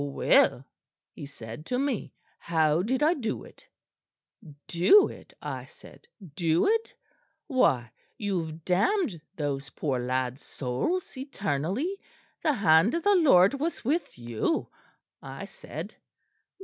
"'Well,' he said to me, 'how did I do it?' "'Do it?' I said; 'do it? Why, you've damned those poor lads' souls eternally. The hand of the Lord was with you,' I said.